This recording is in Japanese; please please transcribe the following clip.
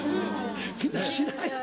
みんな知らんやろ。